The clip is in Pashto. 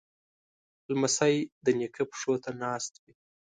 لمسی د نیکه پښو ته ناست وي.